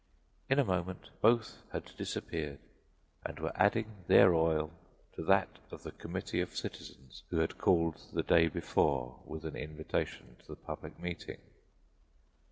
In a moment, both had disappeared and were adding their oil to that of the committee of citizens who had called the day before with an invitation to the public meeting.